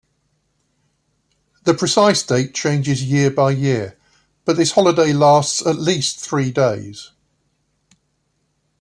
The precise date changes year-by-year but this holiday lasts, at least, three days.